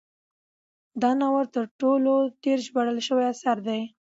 دا ناول تر ټولو ډیر ژباړل شوی اثر دی.